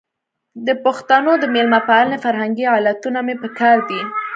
د پښتنو د مېلمه پالنې فرهنګي علتونه مې په کار دي.